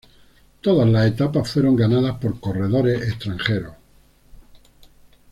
Todas las etapas fueron ganadas por corredores extranjeros.